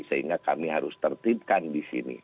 sehingga kami harus tertibkan di sini